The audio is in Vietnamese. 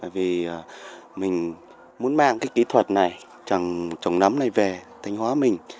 vì mình muốn mang cái kỹ thuật này trồng nấm này về thanh hóa mình